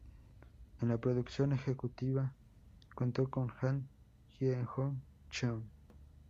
En la producción ejecutiva contó con Han Kyeong-cheon.